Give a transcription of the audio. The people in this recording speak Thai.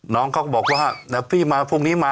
น้องเขาก็บอกว่าเดี๋ยวพี่มาพรุ่งนี้มา